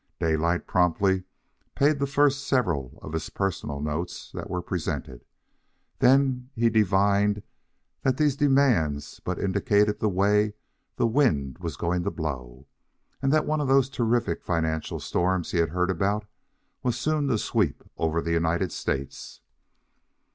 Daylight promptly paid the first several of his personal notes that were presented; then he divined that these demands but indicated the way the wind was going to blow, and that one of those terrific financial storms he had heard about was soon to sweep over the United States.